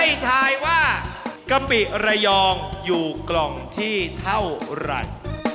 ทายว่ากะปิระยองอยู่กล่องที่เท่าไหร่